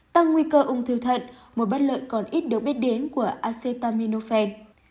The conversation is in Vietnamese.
tăng nguy cơ ung thư thận một bất lợi còn ít được biết đến của acettaminofel